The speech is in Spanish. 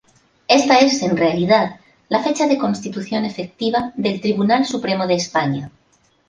Esta es, en realidad, la fecha de constitución efectiva del Tribunal Supremo de España.